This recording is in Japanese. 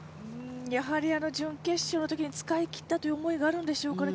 やはり準決勝のときに使い切ったという思いがあるんでしょうかね。